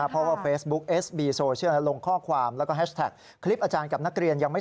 พี่แก่มายังไง